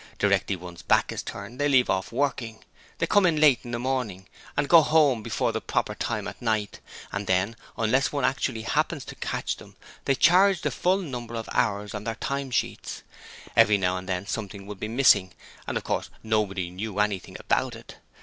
directly one's back is turned they leave off working! They come late in the morning, and go home before the proper time at night, and then unless one actually happens to catch them they charge the full number of hours on their time sheets! Every now and then something would be missing, and of course Nobody knew anything about it.